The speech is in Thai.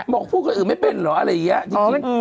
บอกพูดกับอื่นไม่เป็นหรออะไรอย่างเงี้ย